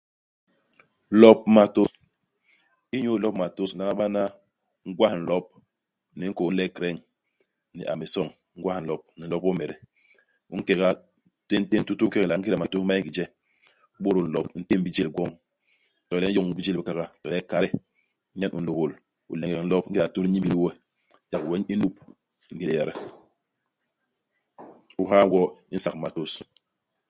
Lop i matôs. Inyu ilop matôs, u nlama bana ñgwas-nlop ni inkôô ini le kriñ, ni hameçon. Ñgwas-nlop, ni nlop womede. U nke nga, téntén tutu kekela ingéda matôs ma yé ngi je. U bôdôl lop. U ntém bijél gwoñ. To le u yoñ bijél i kakao, to le kade nyen u nlôbôl. U leñek nlop. Ingéda litôs li n'nimbil we, yak we u u n'nup ngélé yada. U ha gwo i nsak-matôs.